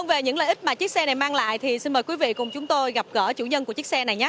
và bây giờ thì xin mời quay trở lại